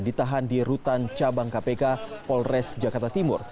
ditahan di rutan cabang kpk polres jakarta timur